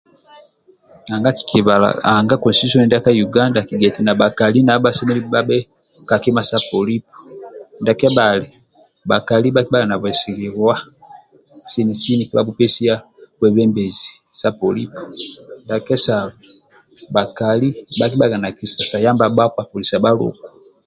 Nanga kikibala anga konsititusoni ndia Uganda akigia eti na bhakali bha bhe ka kima sa polipo ndia kebhali bhakali bhakibhaga na vwesighibwa sini sini bhakabhupesia bebembezi sa polipo ndia kesalo bhakali bhakibhaga na kisa sa yamba bhakpa kolisa bhaluku